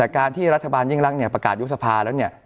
การที่รัฐบาลยิ่งรักเนี่ยประกาศยุบสภาแล้วเนี่ย